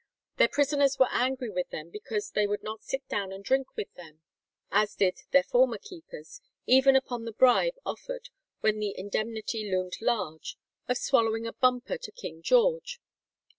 Their prisoners were angry with them because they would not sit down and drink with them, as did their former keepers, even upon the bribe offered when the indemnity loomed large, of swallowing a bumper to King George.